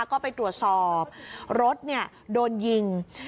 ก็ไปตรวจสอบรถโดนยิง